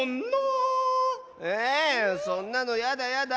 えそんなのやだやだ。